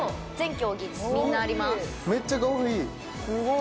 めっちゃかわいい！